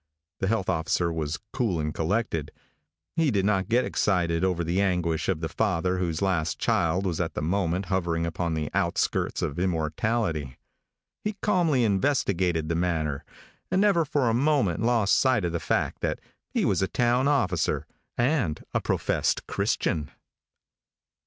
The health officer was cool and collected. He did not get excited over the anguish of the father whose last child was at that moment hovering upon the outskirts of immortality. He calmly investigated the matter, and never for a moment lost sight of the fact that he was a town officer and a professed Christian.